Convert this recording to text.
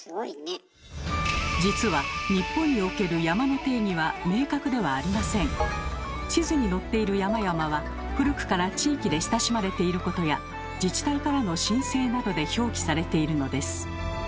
実は日本における地図に載っている山々は古くから地域で親しまれていることや自治体からの申請などで表記されているのです。